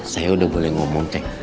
saya udah boleh ngomong